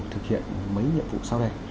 thực hiện mấy nhiệm vụ sau đây